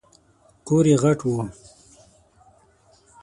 کور یې غټ و .